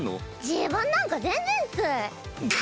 自分なんか全然っス。